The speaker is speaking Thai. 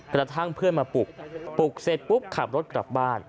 กระทั่งเพื่อนมาปลุกปลุกเสร็จปุ๊บขับรถกลับบ้าน